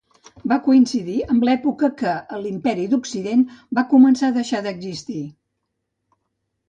Va coincidir amb l'època que l'Imperi d'Occident va començar a deixar d'existir.